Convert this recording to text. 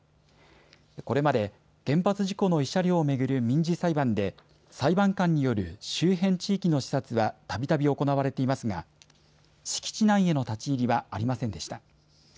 これまで原発事故の慰謝料を巡る民事裁判で裁判官による周辺地域の視察はたびたび行われていますが敷地内への立ち入りはありませんでした。